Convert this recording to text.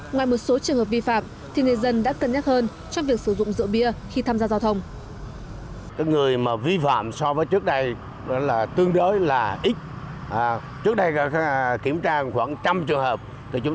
ngoài một số trường hợp vi phạm thì người dân đã cân nhắc hơn trong việc sử dụng rượu bia khi tham gia giao thông